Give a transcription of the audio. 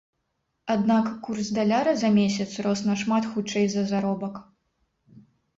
Аднак курс даляра за месяц рос нашмат хутчэй за заробак.